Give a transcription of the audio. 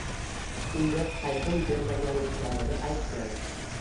unga qaytim bermaganliklarini aytgan.